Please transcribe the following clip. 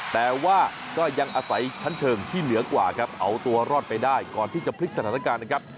แต่ว่าก็ยังอาศัยชั้นเชิงที่เหนือกว่าครับเอาตัวรอดไปได้ก่อนที่จะพลิกสถานการณ์นะครับ